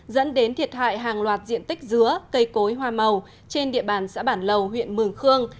dẫn đến thiệt hại hàng loạt diện tích dứa cây cối hoa màu trên địa bàn xã bản lầu huyện mường khương